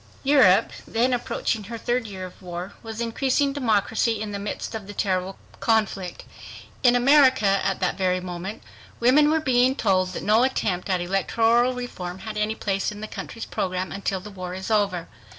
Europe, then approaching her third year of war, was increasing democracy in the midst of the terrible conflict. In America at that very moment women were being told that no attempt at electoral reform had any place in the country's program "until the war is over."